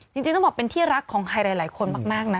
จริงต้องบอกเป็นที่รักของใครหลายคนมากนะ